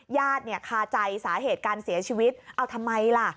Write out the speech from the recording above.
ญาติเนี่ยคาใจสาเหตุการเสียชีวิตเอาทำไมล่ะ